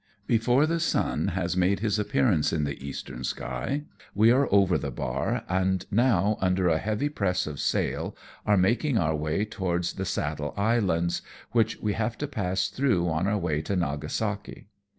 Before the sun has made his appearance in the eastern sky we are over the bar^ and now under a heavy press of sail are making ofir way towards the Saddle Islands, which we have to pass through on our way to Nagasaki.